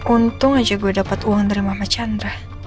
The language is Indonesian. untung aja gue dapat uang dari mama chandra